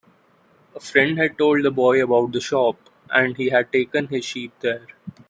A friend had told the boy about the shop, and he had taken his sheep there.